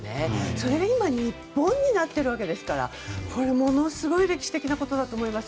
それが今、日本になっているのでこれものすごい歴史的なことだと思います。